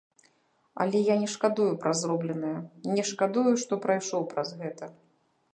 Але я не шкадую пра зробленае, не шкадую, што прайшоў праз гэта.